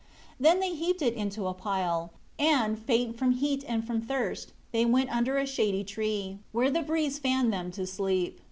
2 Then they heaped it into a pile; and, faint from heat and from thirst, they went under a shady tree, where the breeze fanned them to sleep.